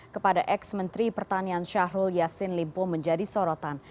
kepada ex menteri pertanian syahrul yassin limpo menjadi sorotan